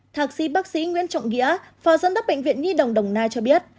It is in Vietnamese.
thạc sĩ bác sĩ nguyễn trọng nghĩa phò dân đất bệnh viện nhi đồng đồng nai cho biết